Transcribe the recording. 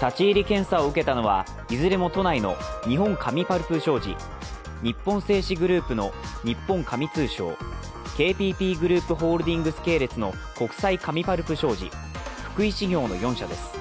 立ち入り検査を受けたのはいずれも都内の日本紙パルプ商事日本製紙グループの日本紙通商、ＫＰＰグループホールディングス系列の国際紙パルプ商事、福井紙業の４社です。